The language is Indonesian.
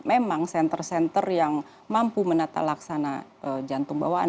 memang senter center yang mampu menata laksana jantung bawaan